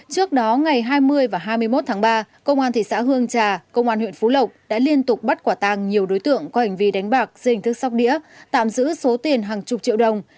trước đó ngày hai mươi và hai mươi một tháng ba công an thị xã hương trà công an huyện phú lộc đã liên tục bắt quả tàng nhiều đối tượng có hành vi đánh bạc dưới hình thức sóc đĩa tạm giữ số tiền hàng chục triệu đồng